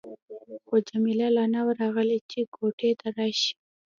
خو جميله لا نه وه راغلې چې کوټې ته راشي.